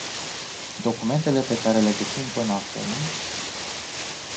Documentele pe care le dețin până acum...